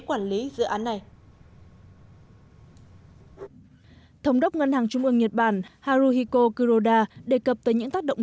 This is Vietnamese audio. quản lý dự án này thống đốc ngân hàng trung ương nhật bản haruhiko kuroda đề cập tới những tác động